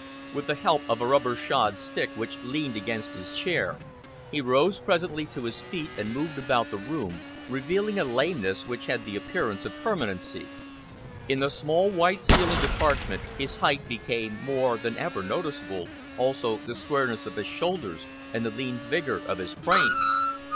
With the help of a rubber shod stick which leaned against his chair, he rose presently to his feet and moved about the room, revealing a lameness which had the appearance of permanency. In the small, white ceilinged apartment his height became more than ever noticeable, also the squareness of his shoulders and the lean vigour of his frame.